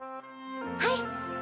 はい！